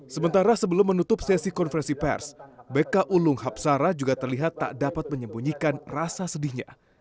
sementara sebelum menutup sesi konferensi pers bk ulung hapsara juga terlihat tak dapat menyembunyikan rasa sedihnya